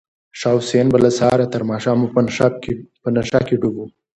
شاه حسین به له سهاره تر ماښامه په نشه کې ډوب و.